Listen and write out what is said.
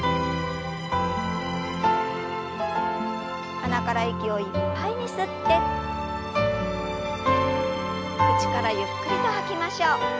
鼻から息をいっぱいに吸って口からゆっくりと吐きましょう。